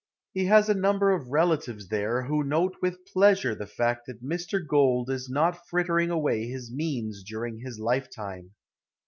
He has a number of relatives there who note with pleasure the fact that Mr. Gould is not frittering away his means during his lifetime.